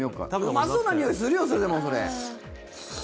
うまそうなにおい、するよ！